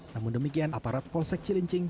namun demikian aparat polsek cilincing